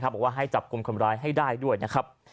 บอกว่าให้จับกลุ่มคนร้ายให้ได้ด้วยนะครับ